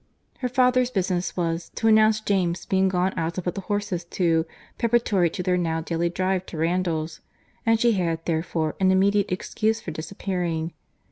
Her father's business was to announce James's being gone out to put the horses to, preparatory to their now daily drive to Randalls; and she had, therefore, an immediate excuse for disappearing.